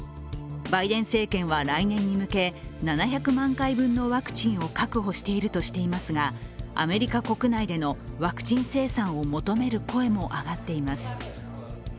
バイデン政権は来年に向け、７００万回分のワクチンを確保しているとしていますが、アメリカ国内でのワクチン生産を求める声も上がっています。